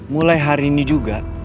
mulai hari ini juga